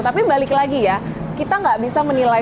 tapi balik lagi ya kita nggak bisa menilai